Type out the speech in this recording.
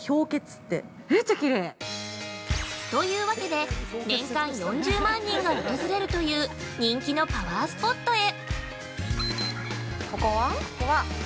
◆というわけで年間４０万人が訪れるという人気のパワースポットへ！